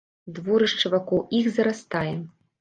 Дворышча вакол іх зарастае.